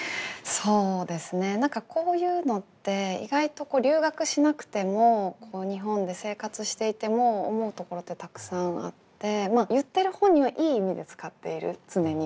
そうですね何かこういうのって意外と留学しなくても日本で生活していても思うところってたくさんあって言ってる本人は良い意味で使ってる常に。